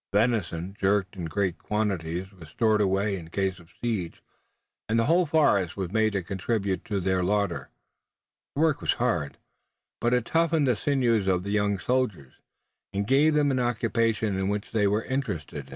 Venison jerked in great quantities was stored away in case of siege, and the whole forest was made to contribute to their larder. The work was hard, but it toughened the sinews of the young soldiers, and gave them an occupation in which they were interested.